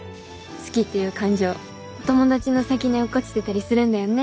好きっていう感情友達の先に落っこちてたりするんだよね。